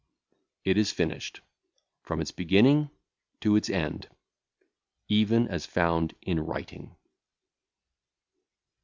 IT IS FINISHED FROM ITS BEGINNING TO ITS END EVEN AS FOUND IN WRITING.